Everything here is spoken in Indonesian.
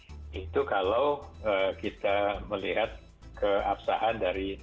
tentu sekali lagi kita mesti melihat keabsahan dari tesnya